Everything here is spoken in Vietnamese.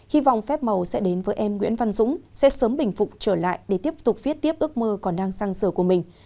hy vọng phép màu sẽ đến với em nguyễn văn dũng sẽ sớm bình phục trở lại để tiếp tục viết tiếp ước mơ còn đang sang sở của mình